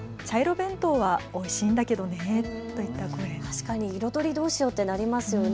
確かに彩りどうしようってなりますよね。